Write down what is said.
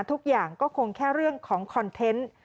ทุกอย่างก็คงแค่เรื่องของคอนเทนต์